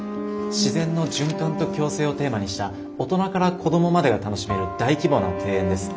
自然の循環と共生をテーマにした大人から子どもまでが楽しめる大規模な庭園です。